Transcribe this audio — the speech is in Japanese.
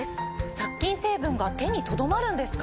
殺菌成分が手にとどまるんですか？